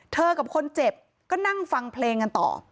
กับคนเจ็บก็นั่งฟังเพลงกันต่อ